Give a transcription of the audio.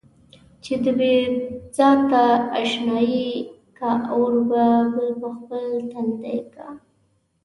چې د بې ذاته اشنايي کا اور به بل پر خپل تندي کا.